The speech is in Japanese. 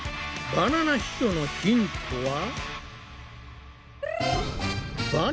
バナナ秘書のヒントは。